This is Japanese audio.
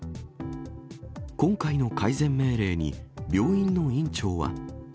今回の改善命令に、病院の院長は。